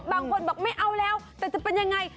บางคนแบบไม่เอาแล้วแต่จะเป็นอย่างไร